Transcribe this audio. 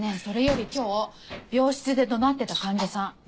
それより今日病室で怒鳴ってた患者さん。